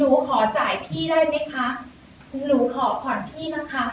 หนูขอจ่ายพี่ได้ไหมคะหนูขอผ่อนพี่นะคะ